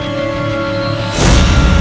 aku akan menang